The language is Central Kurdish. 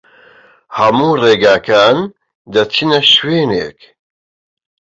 هەموو ڕێگاکان دەچنە شوێنێک.